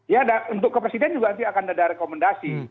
ya untuk ke presiden juga nanti akan ada rekomendasi